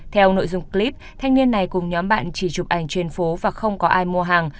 theo nội dung clip thanh niên này cùng nhóm bạn chỉ chụp ảnh trên phố và không có ai mua hàng